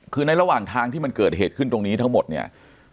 คือในระหว่างทางที่มันเกิดเหตุขึ้นตรงนี้ทั้งหมดเนี่ย